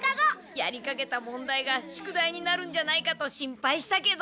やりかけた問題が宿題になるんじゃないかと心配したけど。